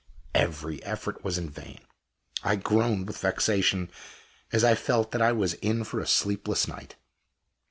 Every effort was in vain; I groaned with vexation as I felt that I was in for a sleepless night.